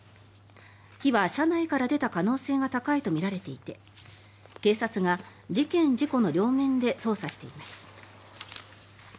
火は車内から出た可能性が高いとみられていて警察が事件・事故の両面で捜査しています。